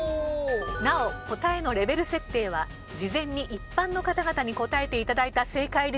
なお答えのレベル設定は事前に一般の方々に答えて頂いた正解率がもとになっています。